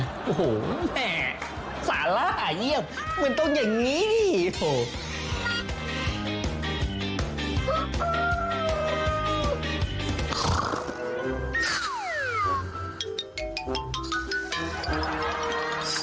โอ้โฮแม่สาระอ่ะเยี่ยมมันต้องอย่างนี้ดิโอ้โฮ